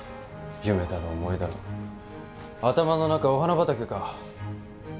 夢だの思いだの頭の中お花畑か。